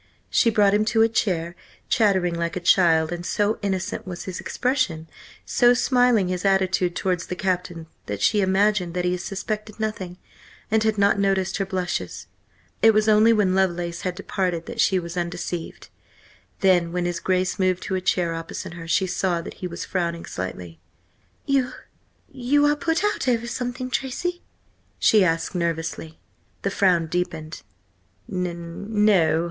She brought him to a chair, chattering like a child, and so innocent was his expression, so smiling his attitude towards the Captain, that she imagined that he suspected nothing, and had not noticed her blushes. It was only when Lovelace had departed that she was undeceived. Then, when his Grace moved to a chair opposite her, she saw that he was frowning slightly. "You–you are put out over something, Tracy?" she asked nervously. The frown deepened. "N no.